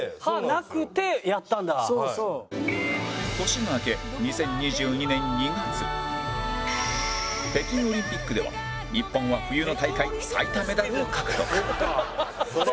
年が明け北京オリンピックでは日本は冬の大会最多メダルを獲得